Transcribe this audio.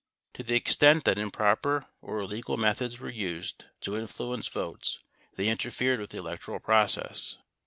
To the extent that im proper or illegal methods were used to influence votes, they interfered with the electoral process.